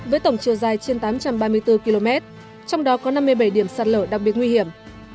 với tổng chiều dài trên tám trăm ba mươi bốn km trong đó có năm mươi bảy điểm sạt lở đặc biệt nguy hiểm